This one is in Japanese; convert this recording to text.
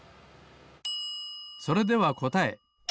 それではこたえ。